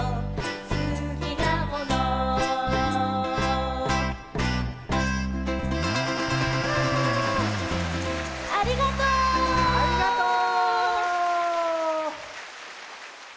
「すきなもの」ありがとう！ありがとう！